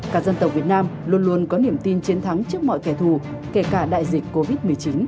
cả dân tộc việt nam luôn luôn có niềm tin chiến thắng trước mọi kẻ thù kể cả đại dịch covid một mươi chín